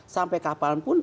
sampai kapal pun